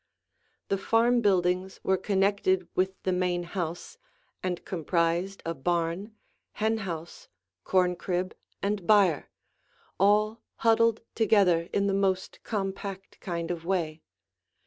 The farm buildings were connected with the main house and comprised a barn, hen house, corn crib, and byre, all huddled together in the most compact kind of way.